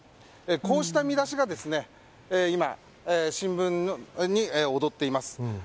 こうした見出しが今、新聞に躍っています。